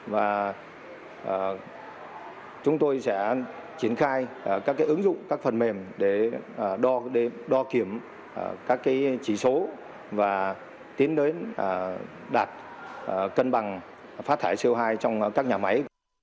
và chúng tôi sẽ triển khai các ứng dụng các phần mềm để đo kiểm các chỉ số và tiến đến đạt cân bằng phát thải co hai trong các nhà máy